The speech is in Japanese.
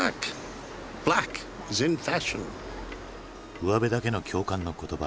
うわべだけの共感の言葉。